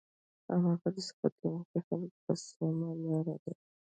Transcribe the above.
همدغه صفت لرونکي خلک په سمه لار دي